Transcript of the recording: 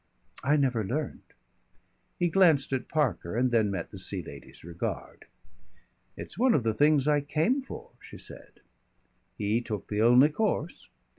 "I never learned." He glanced at Parker and then met the Sea Lady's regard. "It's one of the things I came for," she said. He took the only course.